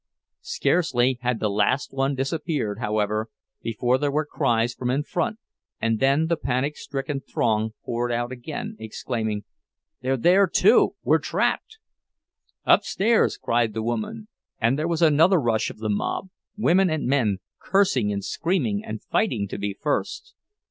Scarcely had the last one disappeared, however, before there were cries from in front, and then the panic stricken throng poured out again, exclaiming: "They're there too! We're trapped!" "Upstairs!" cried the woman, and there was another rush of the mob, women and men cursing and screaming and fighting to be first.